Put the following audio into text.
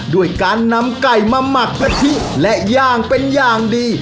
ด้วยการนำไก่มาหมักกะทิและย่างเป็นอย่างดี